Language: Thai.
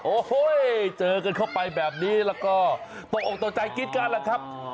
โอ้โหเจอกันเข้าไปแบบนี้แล้วก็ตกออกตกใจกรี๊ดกันแหละครับ